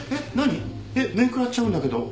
えっ面食らっちゃうんだけど。